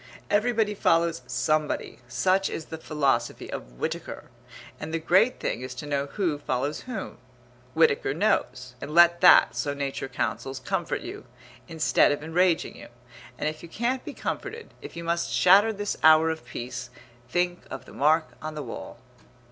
Everybody follows somebody, such is the philosophy of Whitaker; and the great thing is to know who follows whom. Whitaker knows, and let that, so Nature counsels, comfort you, instead of enraging you; and if you can't be comforted, if you must shatter this hour of peace, think of the mark on the wall.